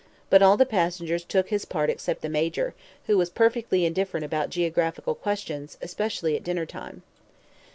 But all the passengers took his part except the Major, who was perfectly indifferent about geographical questions, especially at dinner time.